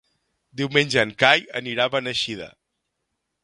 Diumenge en Cai anirà a Beneixida.